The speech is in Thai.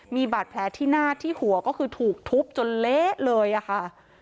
มีบาดแผลที่หน้าที่หัวก็คือถูกทุบจนเละเลยอะค่ะ